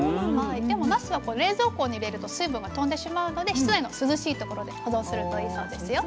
でもなすは冷蔵庫に入れると水分が飛んでしまうので室内の涼しい所で保存するといいそうですよ。